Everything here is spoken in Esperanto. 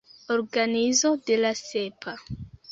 Organizo de la Sepa.